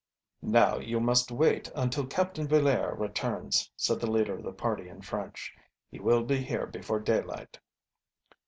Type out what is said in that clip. "Now you must wait until Captain Villaire returns," said the leader of the party in French. "He will be here before daylight."